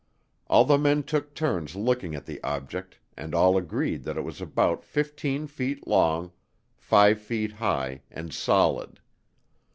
All the men took turns looking at the object and all agreed that it was about 15 feet long, 5 feet high and solid.